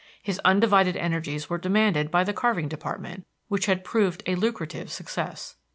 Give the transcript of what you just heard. His undivided energies were demanded by the carving department, which had proved a lucrative success.